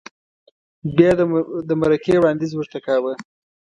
بیا یې د مرکې وړاندیز ورته کاوه؟